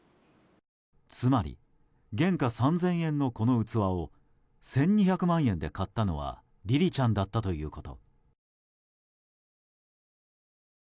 つまり、原価３０００円のこの器を１２００万円で買ったのはりりちゃんだったということ。